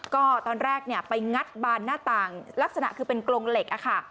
ก็ตอนแรกไปงัดบานหน้าต่างลักษณะคือเป็นกรงเหล็กอะค่ะ